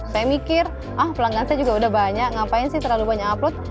saya mikir pelanggan saya juga sudah banyak ngapain terlalu banyak upload